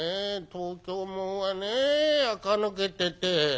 東京もんはねえあか抜けてて。